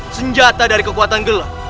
senjata dari kekuatan gelap